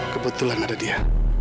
kebetulan ada dia